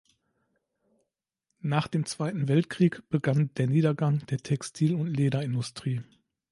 Nach dem Zweiten Weltkrieg begann der Niedergang der Textil- und Lederindustrie.